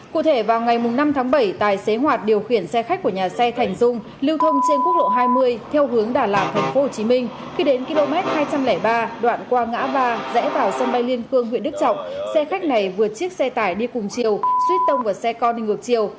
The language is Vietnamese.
cụ thể vào ngày năm tháng bảy tài xế hoạt điều khiển xe khách của nhà xe thành dung lưu thông trên quốc lộ hai mươi theo hướng đà lạt tp hcm khi đến km hai trăm linh ba đoạn qua ngã ba rẽ vào sân bay liên khương huyện đức trọng xe khách này vượt chiếc xe tải đi cùng chiều suy tông và xe con đi ngược chiều